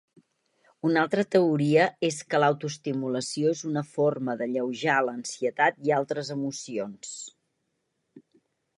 Una altra teoria és que l'autoestimulació és una forma d'alleujar l'ansietat i altres emocions.